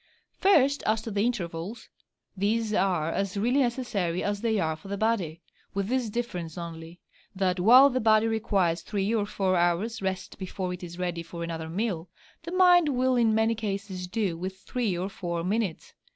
First, as to the intervals: these are as really necessary as they are for the body, with this difference only, that while the body requires three or four hours' rest before it is ready for another meal, the mind will in many cases do with three or four minutes.